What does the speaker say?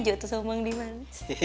ya aku ijo tuh bang